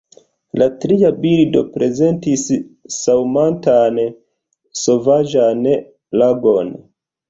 La tria bildo prezentis ŝaŭmantan, sovaĝan lagon.